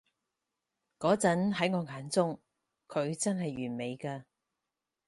嗰陣喺我眼中，佢真係完美㗎